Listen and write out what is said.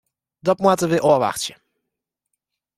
Dat moatte we ôfwachtsje.